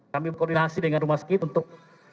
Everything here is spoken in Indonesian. kami berkoordinasi dengan rumah sakit untuk